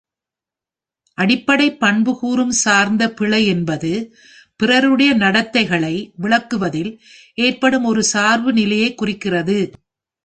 அடிப்படைப் பண்புக்கூறு சார்ந்த பிழை என்பது, பிறருடைய நடத்தைகளை விளக்குவதில் ஏற்படும் ஒரு சார்பு நிலையைக் குறிக்கிறது.